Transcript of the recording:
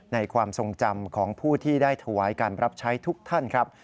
ความทรงจำของผู้ที่ได้ถวายการรับใช้ทุกท่านครับ